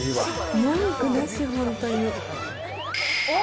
文句なし、本当に。